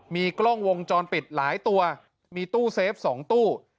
มีกล้องวงจรปิดหลายตัวมีตู้เซฟ๒ตู้